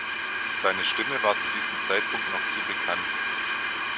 Seine Stimme war zu diesem Zeitpunkt noch zu bekannt.